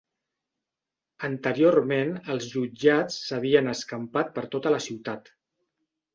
Anteriorment els jutjats s'havien escampat per tota la ciutat.